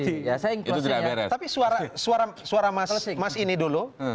tapi suara mas ini dulu